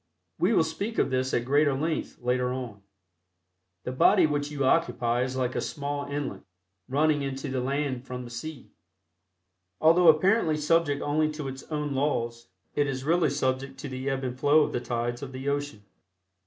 We will speak of this at greater length later on. The body which you occupy is like a small inlet running in to the land from the sea. Although apparently subject only to its own laws, it is really subject to the ebb and flow of the tides of the ocean.